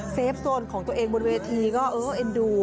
เซฟสโน่นของตัวเองบนเวทีก็เอ็ดดู